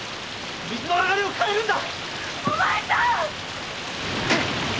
水の流れを変えるんだ！